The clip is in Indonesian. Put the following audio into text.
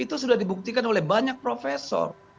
berkualitas yang dibuktikan oleh banyak profesor